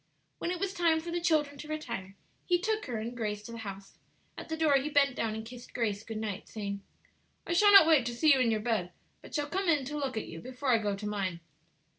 When it was time for the children to retire, he took her and Grace to the house. At the door he bent down and kissed Grace good night, saying, "I shall not wait to see you in your bed, but shall come in to look at you before I go to mine."